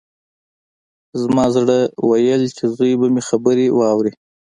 زما زړه ویل چې زوی به مې خبرې واوري